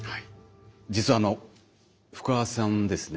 実はあの福和さんですね